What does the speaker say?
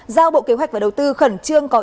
giao bộ kế hoạch và đầu tư khẩn trương